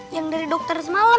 yang dari dokter semalam